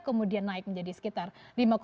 kemudian ordokanzini di mana